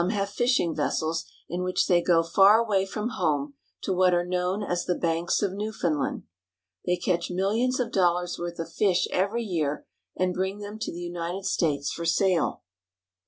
have fishing vessels, in which they go far away from home to what are known as the banks of Newfoundland. They catch millions of dollars' worth of fish every year, and bring them to the United States for sale.